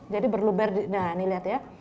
jadi berluber nah ini lihat ya